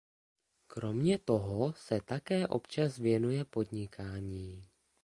Kromě toho se také občas věnuje podnikání.